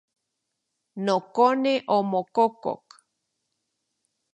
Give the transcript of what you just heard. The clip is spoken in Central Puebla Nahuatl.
Nokone omokokok.